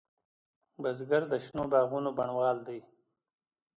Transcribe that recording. بزګر د شنو باغونو بڼوال دی